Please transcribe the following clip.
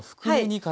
はい。